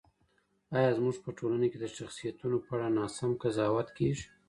ایا زموږ په ټولنه کي د شخصیتونو په اړه ناسم قضاوت کېږي؟